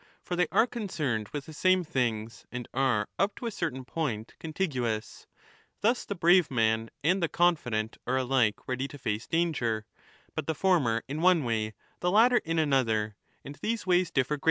25 For they are concerned with the same things, and are up to a certain point contiguous ; thus the brave man and the confident are alike ready to face danger — but the former in one way, the latter in another ; and these ways differ greatly.